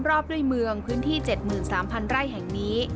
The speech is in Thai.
รอบด้วยเมืองพื้นที่๗๓๐๐ไร่แห่งนี้